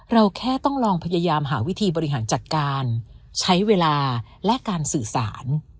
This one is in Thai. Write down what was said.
เราแค่ต้องลองพยายามหาวิธีบริหารจัดการใช้เวลาและการสื่อสาร